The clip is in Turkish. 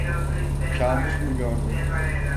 Kabus mu gördün?